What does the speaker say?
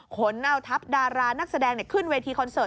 ขนเอาทัพดารานักแสดงขึ้นเวทีคอนเสิร์